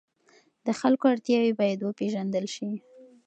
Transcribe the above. د خلکو اړتیاوې باید وپېژندل سي.